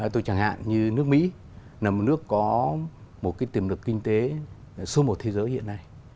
tôi chẳng hạn như nước mỹ là một nước có một cái tiềm lực kinh tế số một thế giới hiện nay